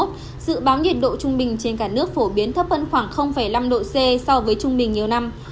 dự báo nhiệt độ trung bình trên cả nước phổ biến thấp hơn khoảng năm độ c so với trung bình nhiều năm